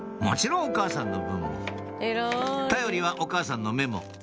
もちろんお母さんの分も頼りはお母さんのメモ